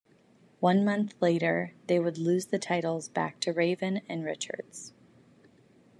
One month later they would lose the titles back to Raven and Richards.